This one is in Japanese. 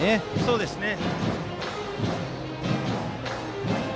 そうですね。